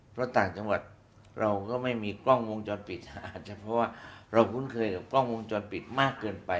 เพราะต่างจังหวัดเราก็ไม่มีกล้องวงจรปิดอาจจะเพราะว่าเราคุ้นเคยกับกล้องวงจรปิดมากเกินไป